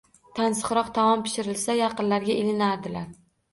Tansiqroq taom pishirilsa, yaqinlarga ilinardilar.